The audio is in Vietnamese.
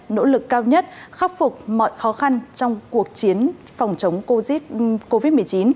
nỗ lực cao nhất khắc phục mọi khó khăn trong cuộc chiến phòng chống covid một mươi chín